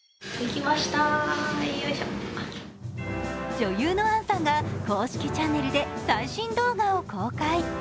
女優の杏さんが公式チャンネルで最新動画を公開。